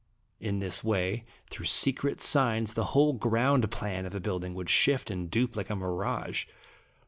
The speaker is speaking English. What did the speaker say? In this way, through secret signs, the whole ground plan of a building would shift and dupe like a mirage.